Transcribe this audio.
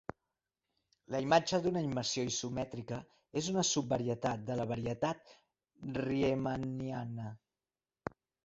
La imatge d'una immersió isomètrica és una subvarietat de la varietat riemanniana.